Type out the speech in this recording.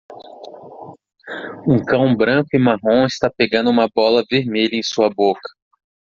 Um cão branco e marrom está pegando uma bola vermelha em sua boca